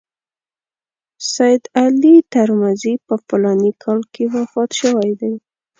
سید علي ترمذي په فلاني کال کې وفات شوی دی.